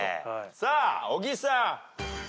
さあ尾木さん。